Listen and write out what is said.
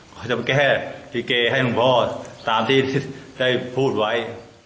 เขาจะไปแก้ลิเกให้หลวงพ่อตามที่ได้พูดไว้